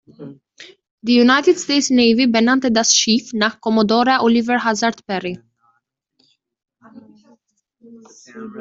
Die United States Navy benannte das Schiff nach Commodore Oliver Hazard Perry.